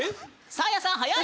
サーヤさんはやい！